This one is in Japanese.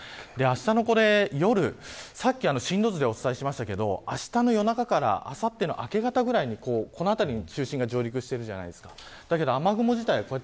あしたの夜さっき進路図でお伝えしましたがあしたの夜中から、あさっての明け方にかけて、この辺りに中心が上陸しているじゃないですか。